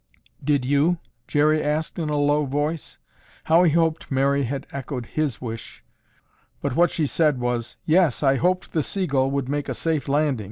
"Did you?" Jerry asked in a low voice. How he hoped Mary had echoed his wish, but what she said was, "Yes, I hoped the Seagull would make a safe landing.